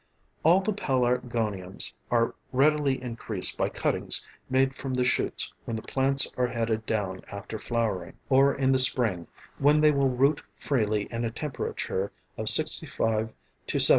All the pelargoniums are readily increased by cuttings made from the shoots when the plants are headed down after flowering, or in the spring, when they will root freely in a temperature of 65┬░ to 70┬░.